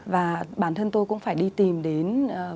và bản thân tôi cũng phải đi tìm đến